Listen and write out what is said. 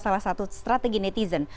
salah satu strategi netizen